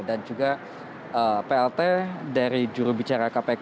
dan juga plt dari jurubicara kpk